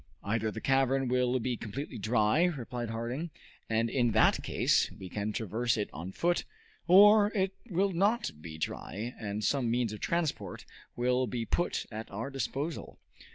"Either the cavern will be completely dry," replied Harding, "and in that case we can traverse it on foot, or it will not be dry, and some means of transport will be put at our disposal."